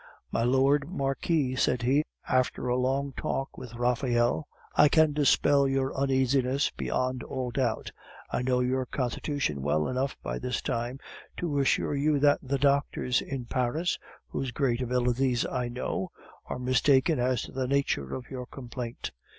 "My Lord Marquis," said he, after a long talk with Raphael, "I can dispel your uneasiness beyond all doubt. I know your constitution well enough by this time to assure you that the doctors in Paris, whose great abilities I know, are mistaken as to the nature of your complaint.